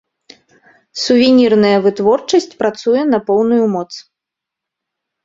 Сувенірная вытворчасць працуе на поўную моц.